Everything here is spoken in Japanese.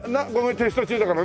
テスト中だからね。